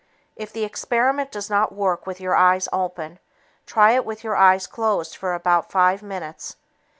If the experiment does not work with your eyes open, try it with your eyes closed for about five minutes.